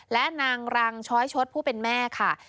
และนางรังช้อยชดผู้เป็นแม่ค่ะ